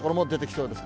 そうです。